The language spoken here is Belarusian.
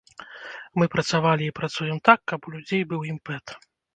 Мы працавалі і працуем так, каб у людзей быў імпэт.